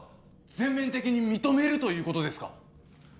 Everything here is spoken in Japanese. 全面的に認めるという事ですか？